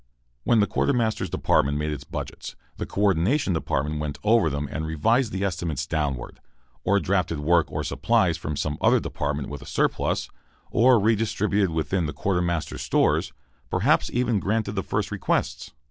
When the quartermaster's department made its budgets, the co ordination department went over them and revised the estimates downward, or drafted work or supplies from some other department with a surplus, or redistributed within the quartermaster's stores, perhaps even granted the first requests.